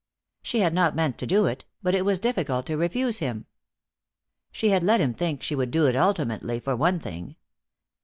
She had not meant to do it, but it was difficult to refuse him. She had let him think she would do it ultimately, for one thing.